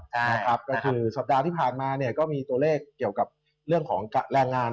ก็คือสัปดาห์ที่ผ่านมาเนี่ยก็มีตัวเลขเกี่ยวกับเรื่องของแรงงาน